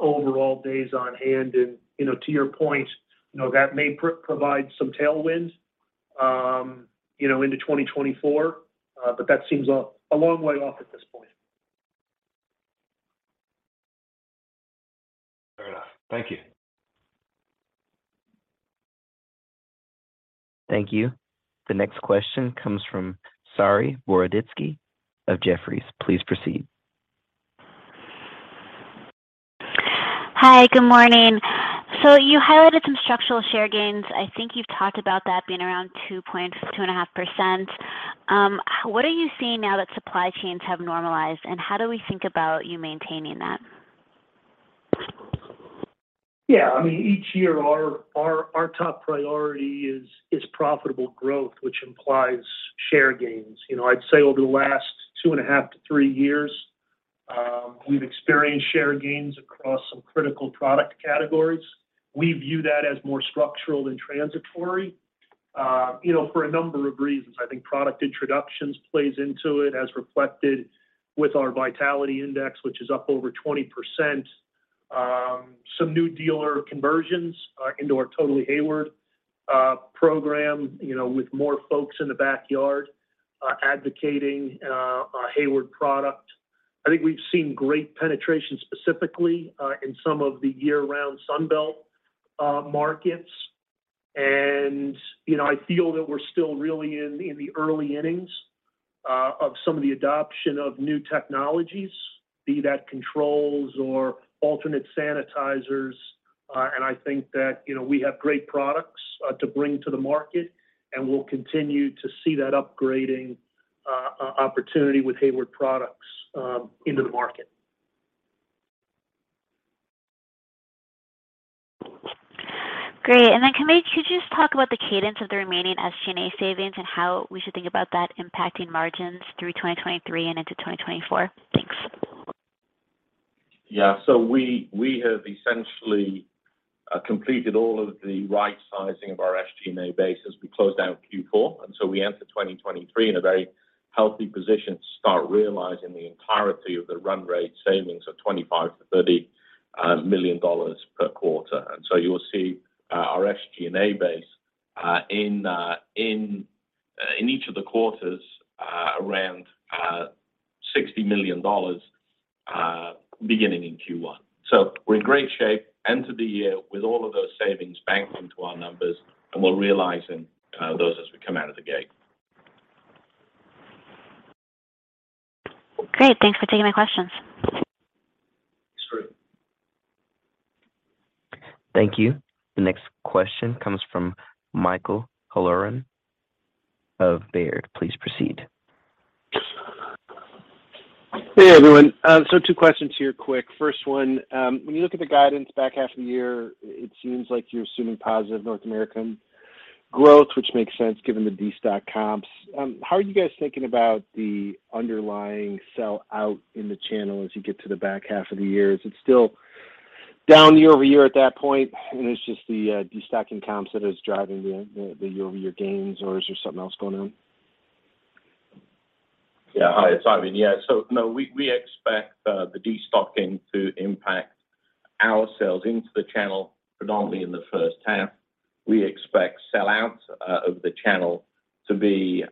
overall days on hand. you know, to your point, you know, that may provide some tailwind, you know, into 2024, but that seems a long way off at this point. Fair enough. Thank you. Thank you. The next question comes from Saree Boroditsky of Jefferies. Please proceed. Hi, good morning. You highlighted some structural share gains. I think you've talked about that being around 2.5%. What are you seeing now that supply chains have normalized, and how do we think about you maintaining that? Yeah, I mean, each year our top priority is profitable growth, which implies share gains. You know, I'd say over the last two and a half to three years, we've experienced share gains across some critical product categories. We view that as more structural than transitory, you know, for a number of reasons. I think product introductions plays into it, as reflected with our Vitality Index, which is up over 20%. Some new dealer conversions into our Totally Hayward program, you know, with more folks in the backyard advocating our Hayward product. I think we've seen great penetration specifically in some of the year-round Sun Belt markets. You know, I feel that we're still really in the early innings of some of the adoption of new technologies, be that controls or alternate sanitizers. I think that, you know, we have great products, to bring to the market, and we'll continue to see that upgrading opportunity with Hayward products, into the market. Great. Then could you just talk about the cadence of the remaining SG&A savings and how we should think about that impacting margins through 2023 and into 2024? Thanks. Yeah. We have essentially completed all of the right-sizing of our SG&A base as we closed out Q4. We enter 2023 in a very healthy position to start realizing the entirety of the run rate savings of $25 million-$30 million per quarter. You will see our SG&A base in each of the quarters around $60 million beginning in Q1. We're in great shape. Enter the year with all of those savings banking to our numbers, and we're realizing those as we come out of the gate. Great. Thanks for taking my questions. Thanks for it. Thank you. The next question comes from Michael Halloran of Baird. Please proceed. Hey, everyone. Two questions here quick. First one, when you look at the guidance back half of the year, it seems like you're assuming positive North American growth, which makes sense given the destock comps. How are you guys thinking about the underlying sell-out in the channel as you get to the back half of the year? Is it still down year-over-year at that point, and it's just the destocking comps that is driving the year-over-year gains, or is there something else going on? Yeah. Hi, it's Eifion. Yeah. No, we expect the destocking to impact our sales into the channel predominantly in the first half. We expect sell-outs of the channel to be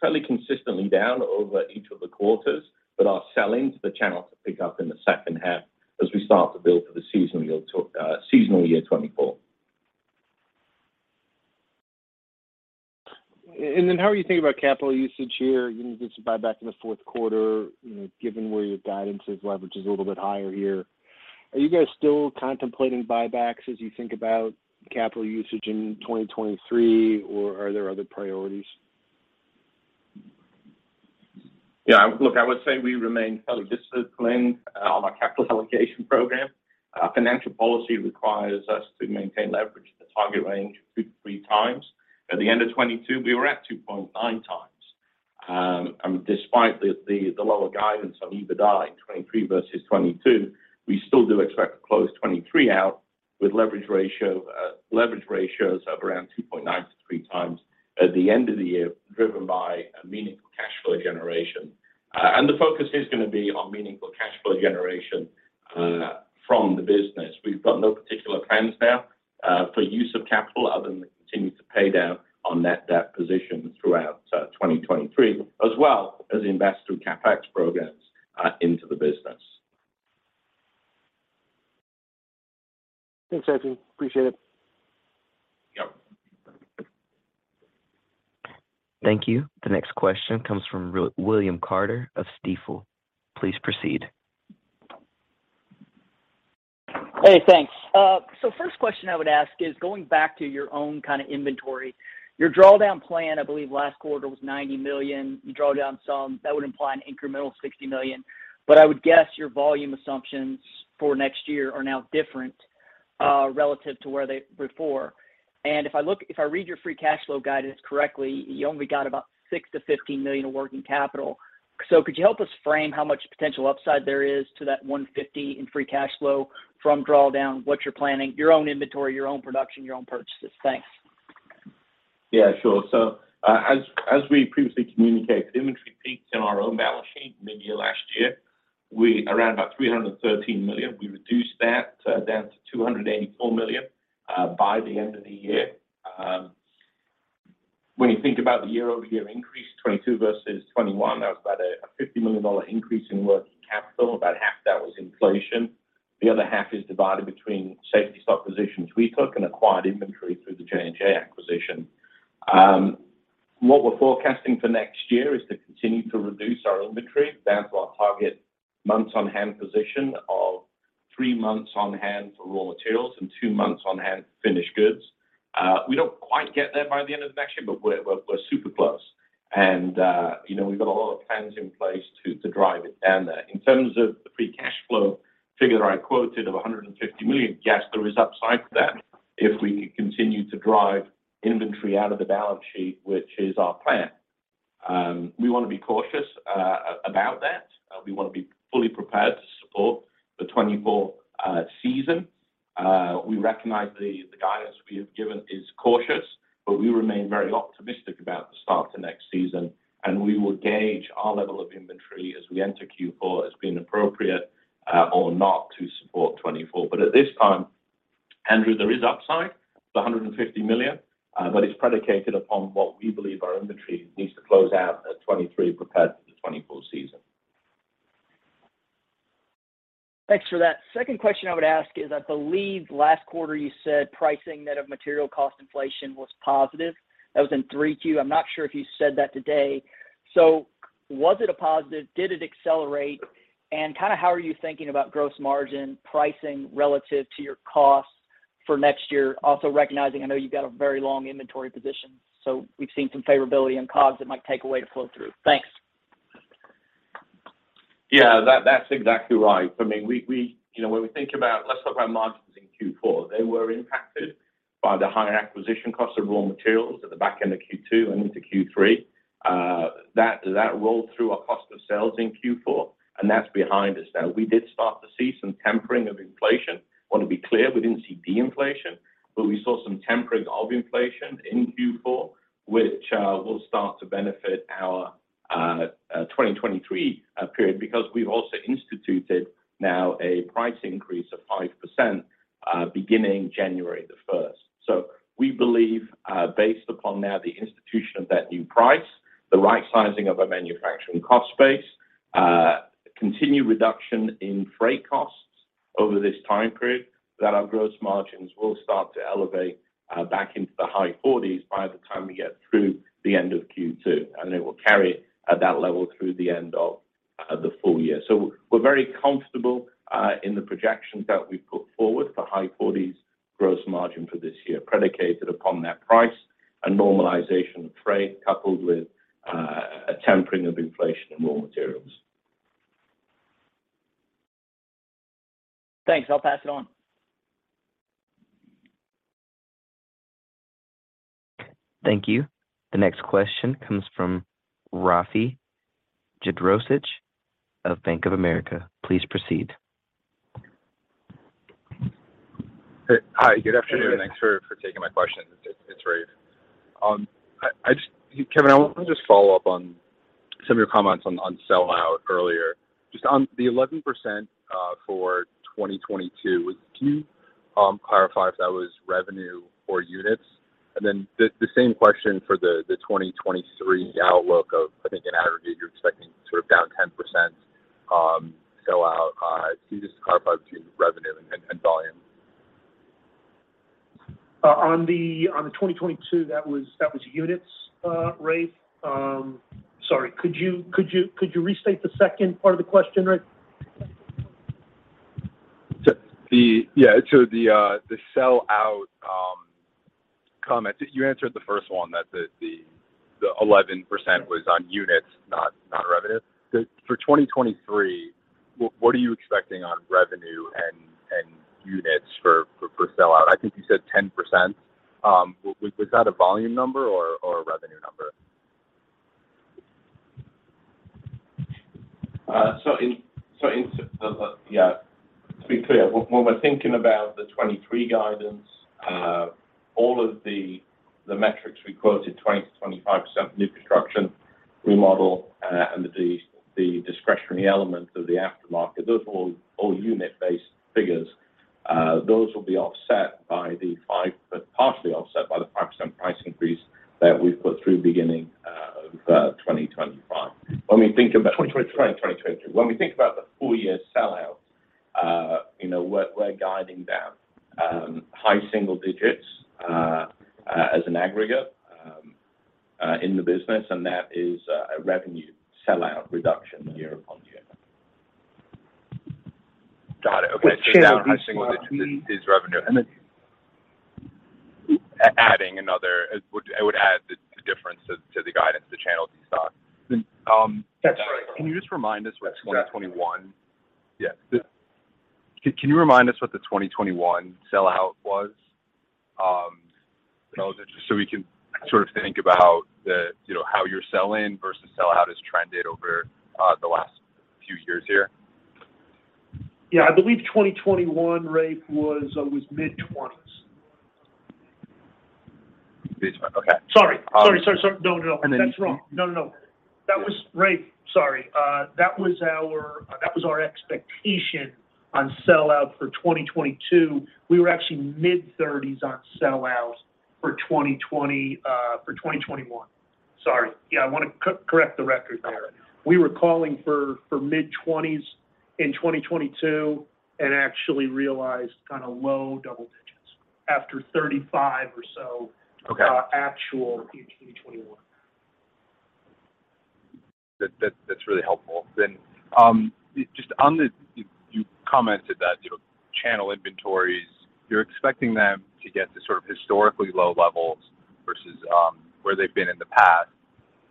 fairly consistently down over each of the quarters, but our sell-ins the channel to pick up in the second half as we start to build for the seasonal year 2024. How are you thinking about capital usage here? You announced a buyback in the fourth quarter. You know, given where your guidance is, leverage is a little bit higher here. Are you guys still contemplating buybacks as you think about capital usage in 2023, or are there other priorities? Yeah, look, I would say we remain fairly disciplined on our capital allocation program. Our financial policy requires us to maintain leverage in the target range of two to three times. At the end of 2022, we were at 2.9x. Despite the lower guidance on EBITDA in 2023 versus 2022, we still do expect to close 2023 out with leverage ratios of around 2.9x-3x at the end of the year, driven by a meaningful cash flow generation. The focus is going to be on meaningful cash flow generation from the business. We've got no particular plans now for use of capital other than to continue to pay down on net debt position throughout 2023, as well as invest through CapEx programs into the business. Thanks, Eifion. Appreciate it. Yep. Thank you. The next question comes from William Carter of Stifel. Please proceed. Hey, thanks. First question I would ask is going back to your own kinda inventory. Your drawdown plan, I believe last quarter was $90 million. You draw down some, that would imply an incremental $60 million. I would guess your volume assumptions for next year are now different relative to where they were before. If I read your free cash flow guidance correctly, you only got about $6 million-$15 million in working capital. Could you help us frame how much potential upside there is to that $150 million in free cash flow from drawdown, what you're planning, your own inventory, your own production, your own purchases? Thanks. Yeah, sure. As we previously communicated, inventory peaked in our own balance sheet mid-year last year. Around about $313 million. We reduced that down to $284 million by the end of the year. When you think about the year-over-year increase, 2022 versus 2021, that was about a $50 million increase in working capital. About half that was inflation. The other half is divided between safety stock positions we took and acquired inventory through the J&J acquisition. What we're forecasting for next year is to continue to reduce our inventory down to our target months on hand position of three months on hand for raw materials and two months on hand finished goods. We don't quite get there by the end of next year, but we're super close. you know, we've got a lot of plans in place to drive it down there. In terms of the free cash flow figure I quoted of $150 million, yes, there is upside to that if we continue to drive inventory out of the balance sheet, which is our plan. We wanna be cautious about that. We wanna be fully prepared to support the 2024 season. We recognize the guidance we have given is cautious, but we remain very optimistic about the start to next season, and we will gauge our level of inventory as we enter Q4 as being appropriate or not to support 2024. At this time, William, there is upside to $150 million, but it's predicated upon what we believe our inventory needs to close out at 2023 prepared for the 2024 season. Thanks for that. Second question I would ask is I believe last quarter you said pricing net of material cost inflation was positive. That was in Q3. I'm not sure if you said that today. Was it a positive? Did it accelerate? Kinda how are you thinking about gross margin pricing relative to your costs for next year? Recognizing I know you've got a very long inventory position, so we've seen some favorability in COGS that might take a way to flow through. Thanks. That's exactly right. I mean, we You know, when we think about margins in Q4. They were impacted by the higher acquisition cost of raw materials at the back end of Q2 and into Q3. That rolled through our cost of sales in Q4, and that's behind us now. We did start to see some tempering of inflation. Want to be clear, we didn't see PE inflation, but we saw some tempering of inflation in Q4, which will start to benefit our 2023 period because we've also instituted now a price increase of 5%, beginning January 1st. We believe, based upon now the institution of that new price, the right sizing of our manufacturing cost base, continued reduction in freight costs over this time period, that our gross margins will start to elevate back into the high 40s% by the time we get through the end of Q2. It will carry at that level through the end of the full year. We're very comfortable in the projections that we've put forward for high 40s% gross margin for this year, predicated upon that price and normalization of trade, coupled with a tempering of inflation in raw materials. Thanks. I'll pass it on. Thank you. The next question comes from Rafe Jadrosich of Bank of America. Please proceed. Hi. Good afternoon. Good afternoon. Thanks for taking my questions. It's Rafe. I just Kevin, I want to just follow up on some of your comments on sellout earlier. Just on the 11% for 2022, can you clarify if that was revenue or units? The same question for the 2023 outlook of, I think in aggregate you're expecting sort of down 10% sellout. Can you just clarify between revenue and volume? On the 2022, that was units, Rafe. Sorry, could you restate the second part of the question, Rafe? Yeah. So the sellout comment. You answered the first one, that the 11% was on units, not revenue. For 2023, what are you expecting on revenue and units for sellout? I think you said 10%. Was that a volume number or a revenue number? Yeah. To be clear, when we're thinking about the 2023 guidance, all of the metrics we quoted, 20%-25% new construction remodel, and the discretionary element of the aftermarket, those are all unit-based figures. Those will be partially offset by the 5% price increase that we've put through beginning of 2025. When we think about. 2023- ...2022. When we think about the full year sellout, you know, we're guiding down high single digits as an aggregate in the business. That is a revenue sellout reduction year upon year. Got it. Okay. Is revenue adding another... It would add the difference to the guidance, the channel de-stock. That's right. Yeah. Can you remind us what the 2021 sellout was, so we can sort of think about the, you know, how your sell-in versus sellout has trended over the last few years here? Yeah. I believe 2021, Rafe, it was mid-20s. Mid-20s. Okay. Sorry. No. That's wrong. No. That was Rafe, sorry. That was our expectation on sellout for 2022. We were actually mid-30s on sellout for 2020, for 2021. Sorry. Yeah, I wanna correct the record there. We were calling for mid-20s in 2022 and actually realized kinda low-double digits after 35 or so- Okay. ...actual in 2021. That's really helpful. Just on the, you commented that, you know, channel inventories, you're expecting them to get to sort of historically low levels versus, where they've been in the past.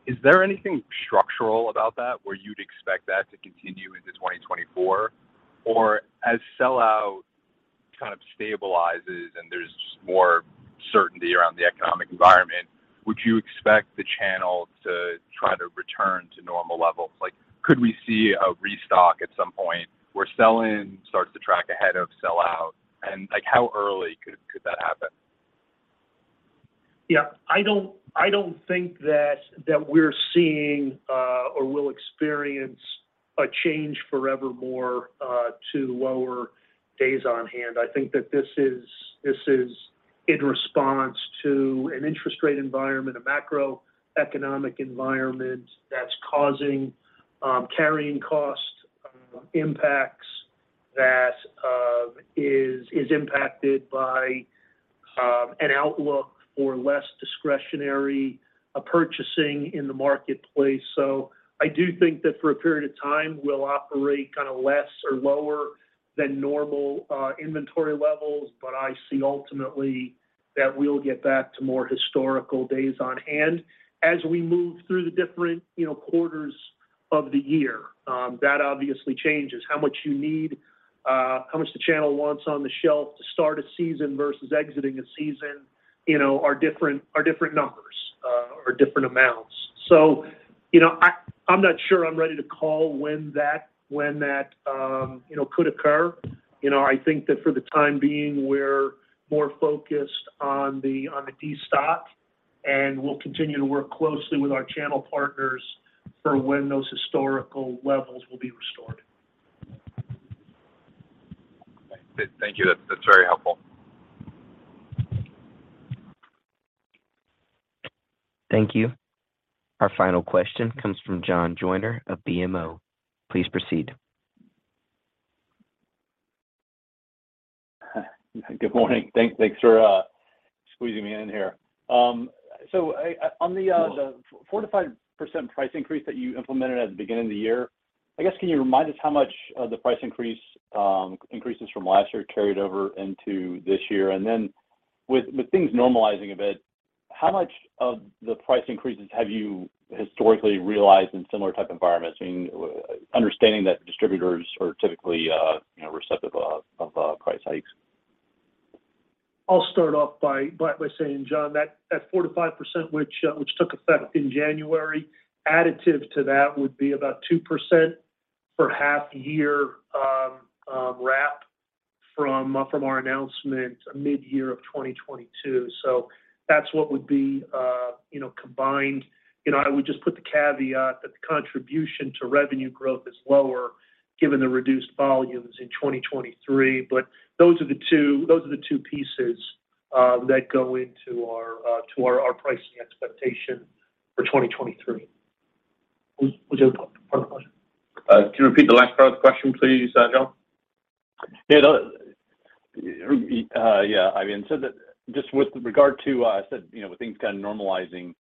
Is there anything structural about that, where you'd expect that to continue into 2024? As sellout kind of stabilizes and there's more certainty around the economic environment, would you expect the channel to try to return to normal levels? Like, could we see a restock at some point where sell-in starts to track ahead of sellout? Like, how early could that happen? Yeah. I don't think that we're seeing, or will experience a change forevermore, to lower days on hand. I think that this is in response to an interest rate environment, a macroeconomic environment that's causing, carrying cost, impacts that, is impacted by, an outlook for less discretionary, purchasing in the marketplace. I do think that for a period of time, we'll operate kinda less or lower than normal, inventory levels, but I see ultimately that we'll get back to more historical days on hand as we move through the different, you know, quarters of the year. That obviously changes how much you need, how much the channel wants on the shelf to start a season versus exiting a season, you know, are different numbers, or different amounts. you know, I'm not sure I'm ready to call when that, you know, could occur. You know, I think that for the time being, we're more focused on the de-stock, and we'll continue to work closely with our channel partners for when those historical levels will be restored. Thank you. That's very helpful. Thank you. Our final question comes from John Joyner of BMO. Please proceed. Good morning. Thanks for squeezing me in here. On the 4%-5% price increase that you implemented at the beginning of the year, I guess, can you remind us how much of the price increase increases from last year carried over into this year? With things normalizing a bit, how much of the price increases have you historically realized in similar type environments, I mean, understanding that distributors are typically, you know, receptive of price hikes? I'll start off by saying, John, that 4%-5%, which took effect in January, additive to that would be about 2% for half year wrap from our announcement mid-year of 2022. That's what would be, you know, combined. You know, I would just put the caveat that the contribution to revenue growth is lower given the reduced volumes in 2023. Those are the two pieces that go into our to our pricing expectation for 2023. What's your part of the question? Can you repeat the last part of the question please, John? Yeah, yeah. I mean, just with regard to, I said, you know, with things kind of normalizing,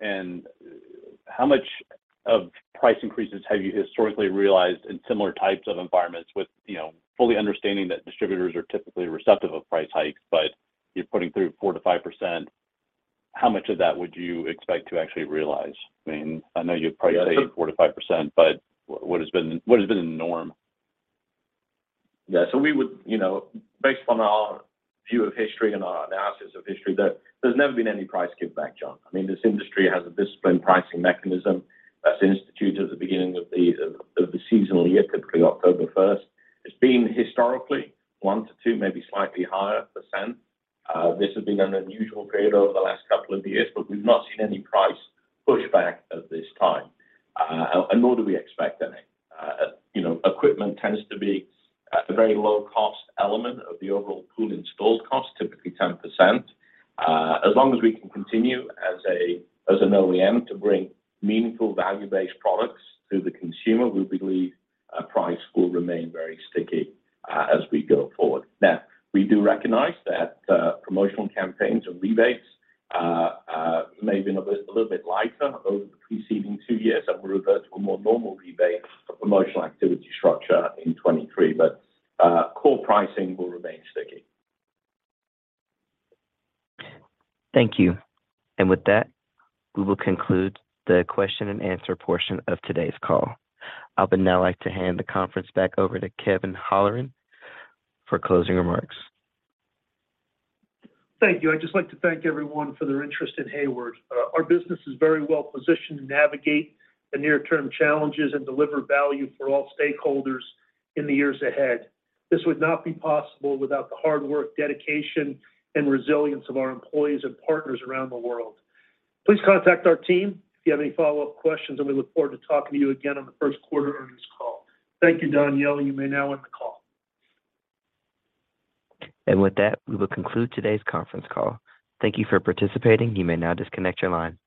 and how much of price increases have you historically realized in similar types of environments with, you know, fully understanding that distributors are typically receptive of price hikes, but you're putting through 4%-5%. How much of that would you expect to actually realize? I mean, I know you probably say 4%-5%, but what has been the norm? Yeah. We would, you know, based on our view of history and our analysis of history that there's never been any price giveback, John. I mean, this industry has a disciplined pricing mechanism that's instituted at the beginning of the seasonal year, typically October 1st. It's been historically 1%-2%, maybe slightly higher percent. This has been an unusual period over the last couple of years, but we've not seen any price pushback at this time, and nor do we expect any. You know, equipment tends to be at a very low cost element of the overall pool installed cost, typically 10%. As long as we can continue as an OEM to bring meaningful value-based products to the consumer, we believe, price will remain very sticky, as we go forward. We do recognize that promotional campaigns and rebates may have been a little bit lighter over the preceding two years, and we'll revert to a more normal rebate for promotional activity structure in 2023. Core pricing will remain sticky. Thank you. With that, we will conclude the question-and-answer portion of today's call. I would now like to hand the conference back over to Kevin Holleran for closing remarks. Thank you. I'd just like to thank everyone for their interest in Hayward. Our business is very well positioned to navigate the near-term challenges and deliver value for all stakeholders in the years ahead. This would not be possible without the hard work, dedication, and resilience of our employees and partners around the world. Please contact our team if you have any follow-up questions, and we look forward to talking to you again on the first quarter earnings call. Thank you, Danielle. You may now end the call. With that, we will conclude today's conference call. Thank you for participating. You may now disconnect your line.